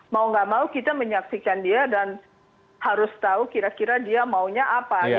mau gak mau kita menyaksikan dia dan harus tahu kira kira dia maunya apa